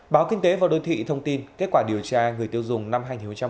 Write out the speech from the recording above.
báo kinh tế và đô thị thông tin kết quả điều tra người tiêu dùng năm hai nghìn một mươi chín